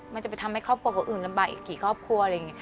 มันจะไปทำให้ครอบครัวของอื่นลำบากอีกกี่ครอบครัว